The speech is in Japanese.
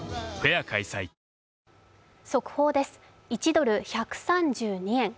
１ドル＝１３２円。